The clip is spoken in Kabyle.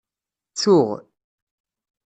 Tsuɣ.